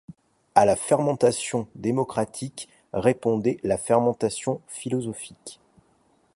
À la fermentation démocratique répondait la fermentation philosophique.